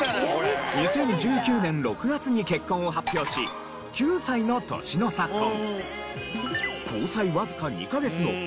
２０１９年６月に結婚を発表し９歳の年の差婚。